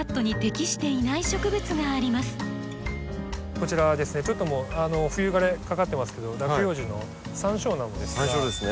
こちらですねちょっともう冬枯れかかってますけど落葉樹のサンショウなのですが。